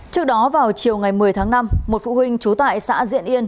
trước đó vào chiều ngày một mươi tháng năm một phụ huynh trú tại xã diện yên